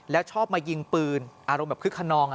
แล้วชอบมายิงปืนอารมณ์แบบคึกขนอง